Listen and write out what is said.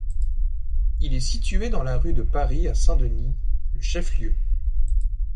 Il est situé dans la rue de Paris à Saint-Denis, le chef-lieu.